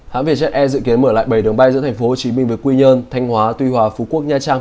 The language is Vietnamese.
hãng vietjet air dự kiến mở lại bảy đường bay giữa thành phố hồ chí minh với quy nhơn thanh hóa tuy hòa phú quốc nha trang